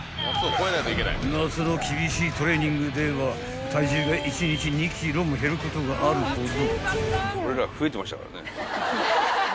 ［夏の厳しいトレーニングでは体重が１日２ｋｇも減ることがあるほど］